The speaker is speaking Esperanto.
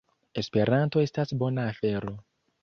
Esperanto estas bona afero!